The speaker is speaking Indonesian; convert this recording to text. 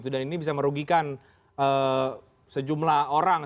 dan ini bisa merugikan sejumlah orang